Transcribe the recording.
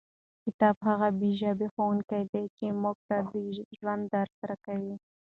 کتاب هغه بې ژبې ښوونکی دی چې موږ ته د ژوند درس راکوي.